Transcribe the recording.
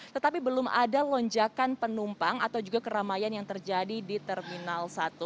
tetapi belum ada lonjakan penumpang atau juga keramaian yang terjadi di terminal satu